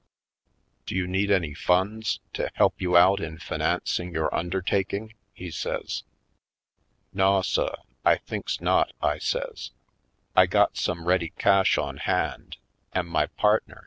"Do you need any funds to help you out in financing your undertaking?" he says. "Naw suh, I thinks not," I says. "I got some ready cash on hand an' my partner 166